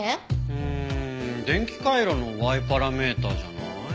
うーん電気回路のＹパラメーターじゃない？